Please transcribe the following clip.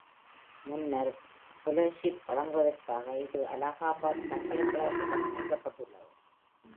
முனைவர் பெலோஷிப் வழங்குவதற்காக இது அலகாபாத் பல்கலைக்கழகத்துடன் இணைக்கப்பட்டுள்ளது.